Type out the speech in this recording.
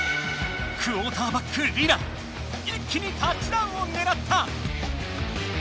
クオーターバックリラ一気にタッチダウンをねらった！